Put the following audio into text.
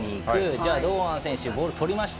じゃあ、堂安選手ボールをとりました。